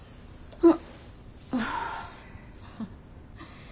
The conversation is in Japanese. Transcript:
うん。